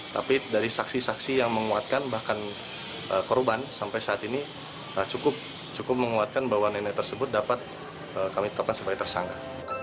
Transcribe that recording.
tapi dari saksi saksi yang menguatkan bahkan korban sampai saat ini cukup menguatkan bahwa nenek tersebut dapat kami tetapkan sebagai tersangka